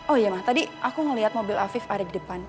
oh iya tadi aku melihat mobil afif ada di depan